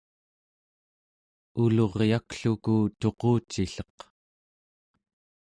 uluryakluku tuqucilleq